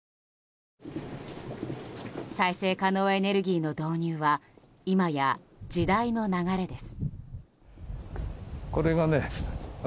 再生可能エネルギーの導入は今や、時代の流れです。